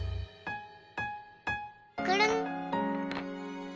くるん。